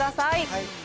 はい。